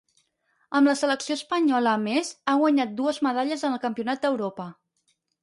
Amb la selecció espanyola a més ha guanyat dues medalles en el Campionat d'Europa.